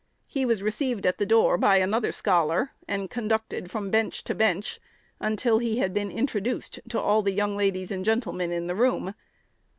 He was received at the door by another scholar, and conducted from bench to bench, until he had been introduced to all the "young ladies and gentlemen" in the room.